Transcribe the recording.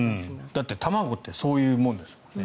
だって卵ってそういうものですもんね。